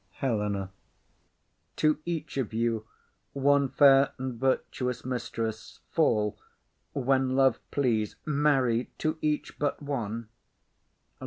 HELENA. To each of you one fair and virtuous mistress Fall, when love please! Marry, to each but one!